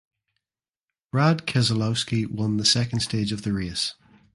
Brad Keselowski won the second stage of the race.